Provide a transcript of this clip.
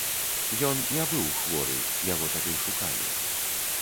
Ён не быў хворы, яго тады шукалі.